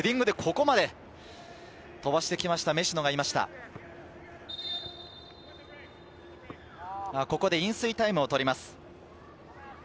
ここで飲水タイムを取ります。